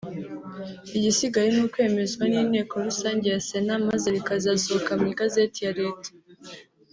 igisigaye ni ukwemezwa n’inteko rusange ya Sena maze rikazasohoka mu Igazeti ya Leta